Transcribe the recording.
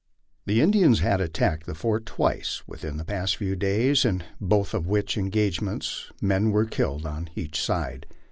The Indians had attacked the fort twice within the past few days, in both of which engagements men were killed on each side.